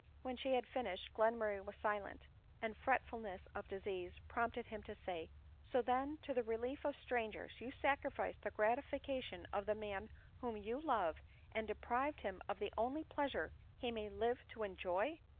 When she had finished, Glenmurray was silent; the freftulness of disease prompted him to say, " So then, to the relief of strangers you sacrificed the gratification of the man whom you love, and deprived him of the only pleasure he may live to enjoy